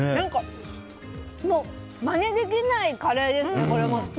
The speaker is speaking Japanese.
まねできないカレーですね。